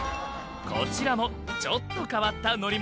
こちらもちょっと変わった乗り物